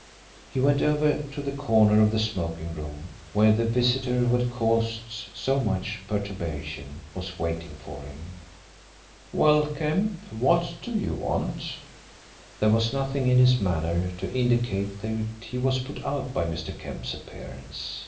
He went over to the corner of the smoking room, where the visitor who had caused so much perturbation was waiting for him. "Well, Kemp, what do you want?" There was nothing in his manner to indicate that he was put out by Mr. Kemp's appearance.